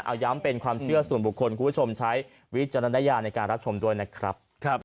เอาย้ำเป็นความเชื่อส่วนบุคคลคุณผู้ชมใช้วิจารณญาณในการรับชมด้วยนะครับ